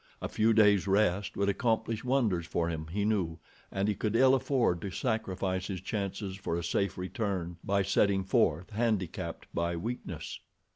A few days' rest would accomplish wonders for him, he knew, and he could ill afford to sacrifice his chances for a safe return by setting forth handicapped by weakness.